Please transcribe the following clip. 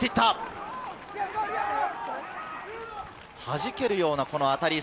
はじけるような当たり。